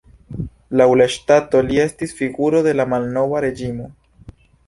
Laŭ la ŝtato li estis figuro de la malnova reĝimo.